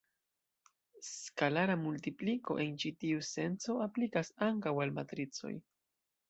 Skalara multipliko en ĉi tiu senco aplikas ankaŭ al matricoj.